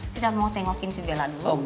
tidak mau tengokin si bella dulu